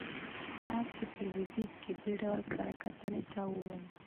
چې مات شي. په لويديځ کې يې دې ډول کره کتنې ته ووايه.